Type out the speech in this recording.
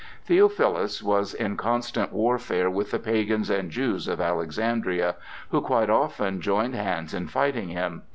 Theophilus was in constant warfare with the pagans and Jews of Alexandria, who quite often joined hands in fighting him.